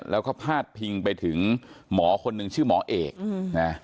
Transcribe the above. แล้วก็พาดพิงไปถึงหมอคนหนึ่งชื่อหมอเอกนะ